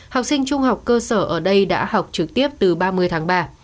học sinh trung học cơ sở ở đây đã học trực tiếp từ ba mươi tháng ba